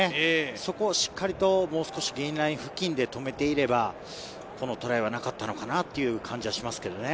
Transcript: そこをしっかりともう少しインライン付近で止めていれば、このトライはなかったのかなという感じはしますけどね。